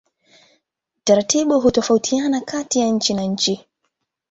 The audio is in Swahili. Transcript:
Taratibu hutofautiana kati ya nchi na nchi.